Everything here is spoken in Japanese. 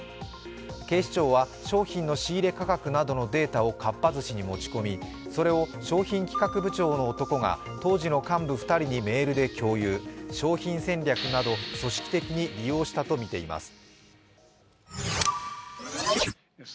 警視庁は、商品の仕入れ価格などのデータをかっぱ寿司に持ち込みそれを商品企画部長の男が当時の幹部２人にメールで共有、商品戦略など組織的利用したとみています。